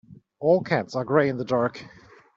All cats are grey in the dark.